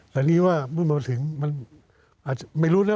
แต่นี่ว่ามึงมาถึงมันอาจไม่รู้นะ